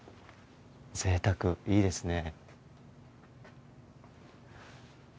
ぜいたくいいですね。